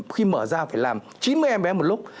khi mở ra phải làm chín mươi ml một lúc